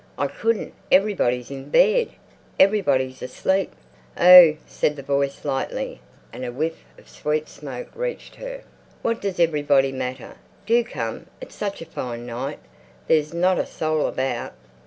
"I couldn't. Everybody's in bed. Everybody's asleep." "Oh," said the voice lightly, and a whiff of sweet smoke reached her. "What does everybody matter? Do come! It's such a fine night. There's not a soul about."